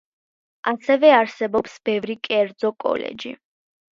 ასევე არსებობს ბევრი კერძო კოლეჯი.